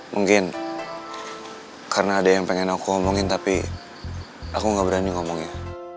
mungkin karena ada yang pengen aku ngomongin tapi aku gak berani ngomongnya